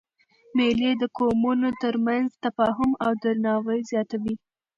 مېلې د قومونو تر منځ تفاهم او درناوی زیاتوي.